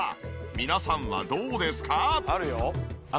皆さんはどうですか？